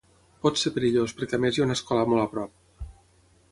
Pot ser perillós perquè a més hi ha una escola molt prop.